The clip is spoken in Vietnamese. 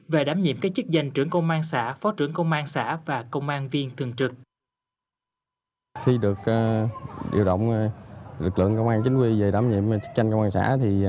về đảm nhiệm các chức danh trưởng công an xã phó trưởng công an xã